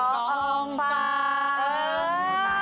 กองฟัง